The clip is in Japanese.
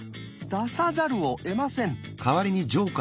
出さざるをえません。